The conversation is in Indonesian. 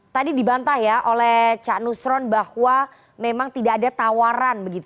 tadi dibantah ya oleh cak nusron bahwa memang tidak ada tawaran begitu